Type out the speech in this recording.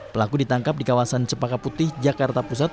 pelaku ditangkap di kawasan cepaka putih jakarta pusat